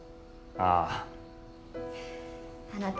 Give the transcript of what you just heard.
ああ。